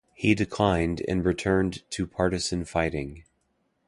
He declined and returned to partisan fighting.